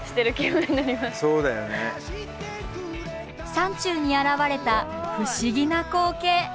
山中に現れた不思議な光景。